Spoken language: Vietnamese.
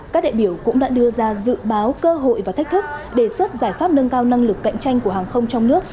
các đại biểu cũng đã đưa ra dự báo cơ hội và thách thức đề xuất giải pháp nâng cao năng lực cạnh tranh của hàng không trong nước